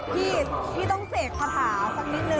พี่พี่ต้องเสกคาถาสักนิดนึง